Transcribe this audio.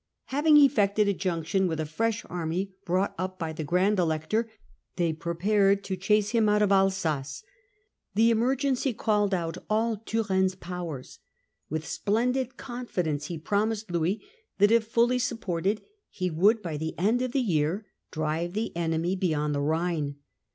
Having effected a junction with a fresh army brought up by the Grand Elector, they prepared to chase him out of Alsace. The emergency called out all Turenne's powers. With splendid confidence he promised Louis that, if fully supported, he would by the end of the year drive the enemy beyond the Rhine.